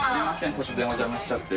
突然お邪魔しちゃって。